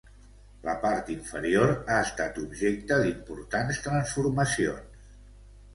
La part inferior ha estat objecte d'importants transformacions.